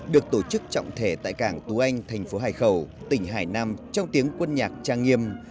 được tổ chức trọng thể tại cảng tú anh thành phố hải khẩu tỉnh hải nam trong tiếng quân nhạc trang nghiêm